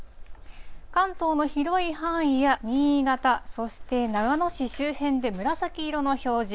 関東の広い範囲や新潟、そして長野市周辺で紫色の表示。